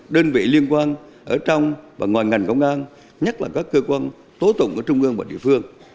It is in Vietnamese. đơn vị liên quan ở trong và ngoài ngành công an nhất là các cơ quan tố tụng ở trung ương và địa phương